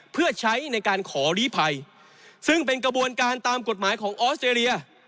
เพื่อใช้ในการขอลีภัยซึ่งเป็นกระบวนการตามกฎหมายของออสเตรเลีย